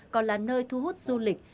còn là nơi thu hút du lịch